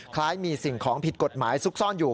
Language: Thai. คล้ายมีสิ่งของผิดกฎหมายซุกซ่อนอยู่